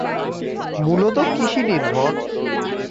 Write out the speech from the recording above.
মূলত কৃৃৃৃষিনির্ভর।